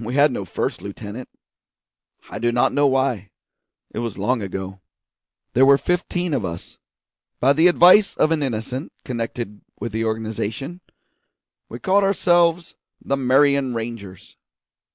We had no first lieutenant; I do not know why; it was long ago. There were fifteen of us. By the advice of an innocent connected with the organisation, we called ourselves the Marion Rangers.